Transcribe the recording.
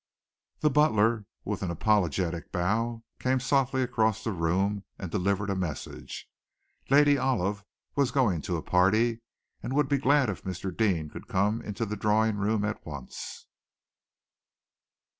The butler, with an apologetic bow, came softly across the room and delivered a message. Lady Olive was going to a party, and would be glad if Mr. Deane could come into the drawing room at once.